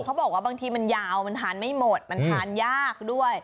เขาบอกว่าบางทีมันยาวมันทานไม่หมดมันทานยากด้วย